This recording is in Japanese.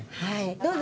どうぞ。